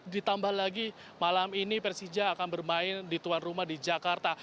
ditambah lagi malam ini persija akan bermain di tuan rumah di jakarta